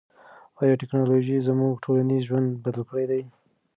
آیا ټیکنالوژي زموږ ټولنیز ژوند بدل کړی دی؟